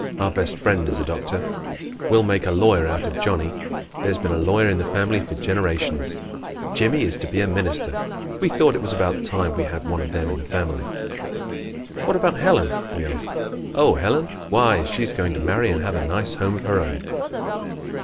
Our best friend is a doctor. We'll make a lawyer out of Johnnie. There's been a lawyer in the family for generations. Jimmie is to be a minister. We thought it was about time we had one of them in the family." "What about Helen?" we asked. "Oh, Helen why, she's going to marry and have a nice home of her own."